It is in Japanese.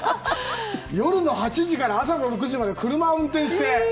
夜の８時から朝の６時まで車を運転して。